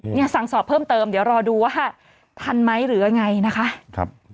เนี่ยสั่งสอบเพิ่มเติมเดี๋ยวรอดูว่าทันไหมหรือยังไงนะคะครับ